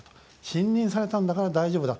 信任されたんだから大丈夫だ。